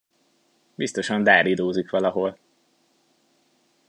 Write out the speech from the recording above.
Biztosan dáridózik valahol!